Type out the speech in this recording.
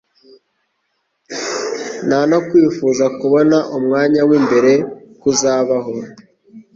nta no kwifuza kubona umwanya w'imbere kuzabaho.